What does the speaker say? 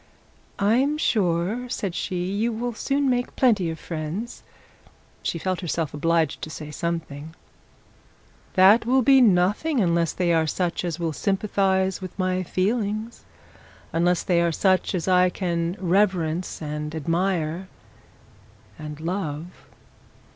'I'm sure,' said she, 'you will soon make plenty of friends.' She felt herself obliged to say something. 'That will be nothing unless they are such as will sympathise with my feelings; unless they are such as I can reverence and admire and love.